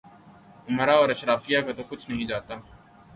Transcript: امرا اور اشرافیہ کا تو کچھ نہیں جاتا۔